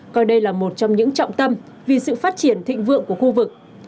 coi đây là một trong những trọng tâm vì sự phát triển thịnh vượng của khu vực